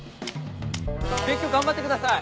勉強頑張ってください！